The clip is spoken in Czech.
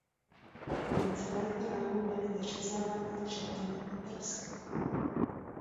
Kolem celého rámu byly vyřezávané dřevěné paprsky.